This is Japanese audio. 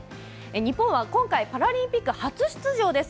日本は今回パラリンピック初出場です。